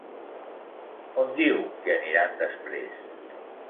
On diu que aniran després?